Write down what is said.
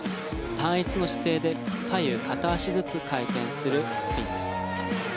単一の姿勢で左右片足ずつ回転する姿勢です。